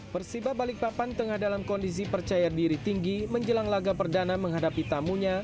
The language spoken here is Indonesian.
persiba balikpapan tengah dalam kondisi percaya diri tinggi menjelang laga perdana menghadapi tamunya